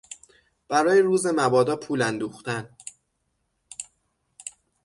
برای روز مبادا پول اندوختن